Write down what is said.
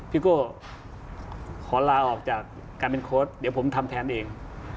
โก้ขอลาออกจากการเป็นโค้ชเดี๋ยวผมทำแทนเอง